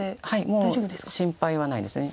もう心配はないです。